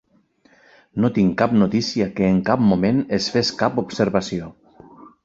No tinc cap notícia que en cap moment es fes cap observació.